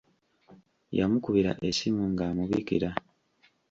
Yamukubira essimu ng'amubikira.